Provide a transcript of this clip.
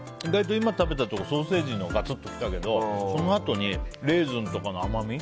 今食べたところソーセージががつっと来たけどそのあとにレーズンとかの甘み。